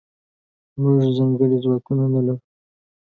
موږځنکړي ځواکونه نلرو